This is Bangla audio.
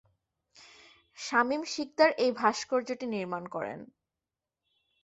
শামীম শিকদার এই ভাস্কর্যটি নির্মাণ করেন।